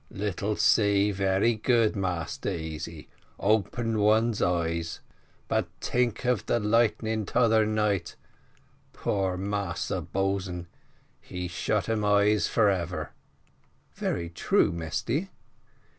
Little sea very good, Massa Easy open one eyes; but tink of the lightning t'other night: poor massa boatswain, he shut um eyes for ebber!" "Very true, Mesty."